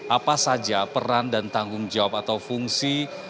apa saja peran dan tanggung jawab atau fungsi